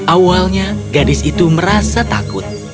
awalnya gadis itu merasa takut